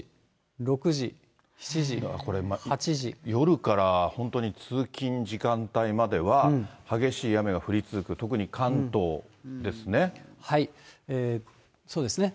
これ、夜から本当に通勤時間帯までは、激しい雨が降り続く、特に関東でそうですね。